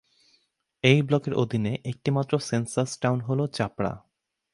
এই ব্লকের অধীনে একটি মাত্র সেন্সাস টাউন হল চাপড়া।